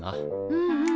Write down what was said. うんうん。